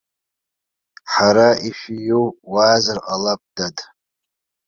Ҳара ишәиу уаазар ҟалап, дад.